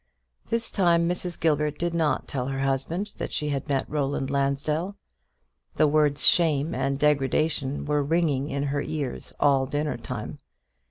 This time Mrs. Gilbert did not tell her husband that she had met Roland Lansdell. The words "shame and degradation" were ringing in her ears all dinner time.